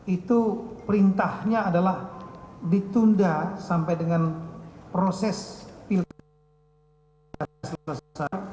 itu perintahnya adalah ditunda sampai dengan proses pilkada selesai